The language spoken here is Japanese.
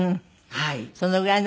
はい。